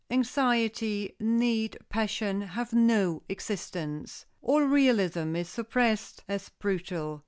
Anxiety, need, passion, have no existence. All realism is suppressed as brutal.